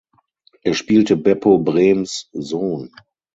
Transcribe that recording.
Er spielte Beppo Brems Sohn.